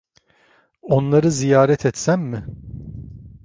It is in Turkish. Onları ziyaret etsem mi?